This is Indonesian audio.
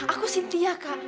aku sintia kak